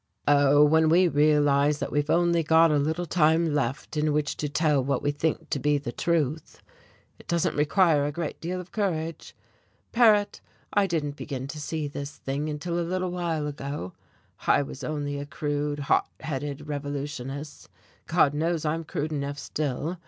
"Oh, when we realize that we've only got a little time left in which to tell what we think to be the truth, it doesn't require a great deal of courage, Paret. I didn't begin to see this thing until a little while ago. I was only a crude, hot headed revolutionist. God knows I'm crude enough still.